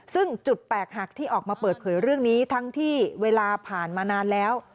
ซึ่งจุดแตกหักที่ออกมาเปิดเผยเรื่องนี้ทั้งที่เวลาผ่านมานานแล้ว